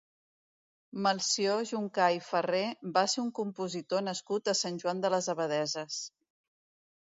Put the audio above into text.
Melcior Juncà i Farré va ser un compositor nascut a Sant Joan de les Abadesses.